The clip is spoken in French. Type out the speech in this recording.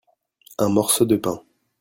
Un morceau de pain.